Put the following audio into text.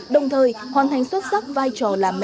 đồng thời hoàn thành xuất sắc vai trò